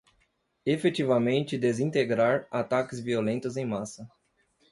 Efetivamente desintegrar ataques violentos em massa